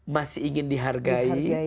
masih ingin dihargai